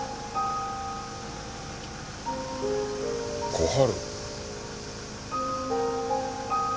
小春？